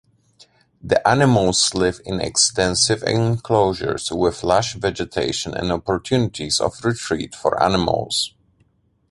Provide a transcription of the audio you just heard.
The animals live in extensive enclosures with lush vegetation and opportunities of retreat for animals.